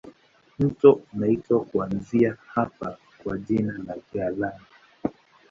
Mto unaitwa kuanzia hapa kwa jina la Galana.